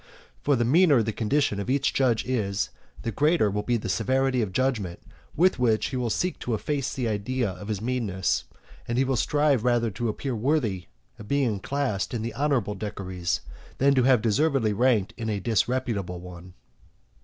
For the meaner the condition of each judge is, the greater will be the severity of judgment with which he will seek to efface the idea of his meanness; and he will strive rather to appear worthy of being classed in the honourable decuries, than to have deservedly ranked in a disreputable one.